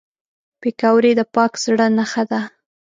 پکورې د پاک زړه نښه ده